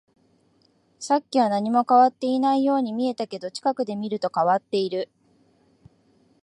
さっきは何も変わっていないように見えたけど、近くで見ると変わっている